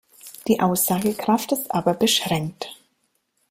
Die Aussagekraft ist aber beschränkt.